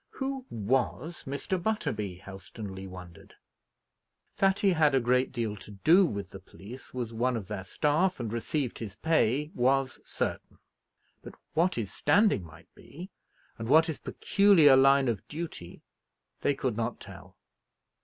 Who was Mr. Butterby? Helstonleigh wondered. That he had a great deal to do with the police, was one of their staff, and received his pay, was certain; but, what his standing might be, and what his peculiar line of duty, they could not tell.